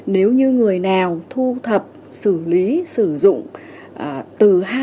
nếu như người nào thu thập xử lý sử dụng từ hai mươi cái tài khoản ngân hàng của cá nhân tổ chức khác